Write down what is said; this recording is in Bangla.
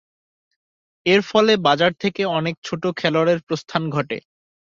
এর ফলে বাজার থেকে অনেক ছোট খেলোয়াড়ের প্রস্থান ঘটে।